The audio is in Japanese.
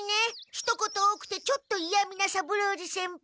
ひと言多くてちょっといやみな三郎次先輩。